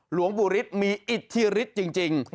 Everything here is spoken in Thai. หลวงปู่ฤทธิ์มีอิทธิฤทธิ์จริง